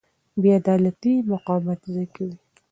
بې عدالتي مقاومت زېږوي